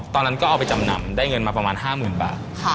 ตอนนั้นก็เอาไปจำนำได้เงินมาประมาณ๕๐๐๐บาท